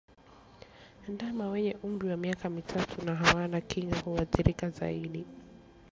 Ndama wenye umri wa miaka mitatu na hawana kinga huathirika zaidi